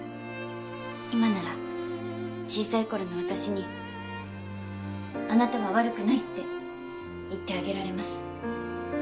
今なら小さい頃の私に「あなたは悪くない」って言ってあげられます。